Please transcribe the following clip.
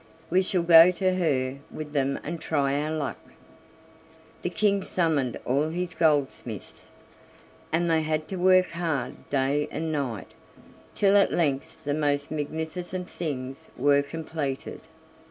We shall go to her with them and try our luck." The King summoned all his goldsmiths, and they had to work hard day and night, till at length the most magnificent things were completed.